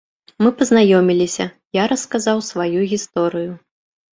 Мы пазнаёміліся, я расказаў сваю гісторыю.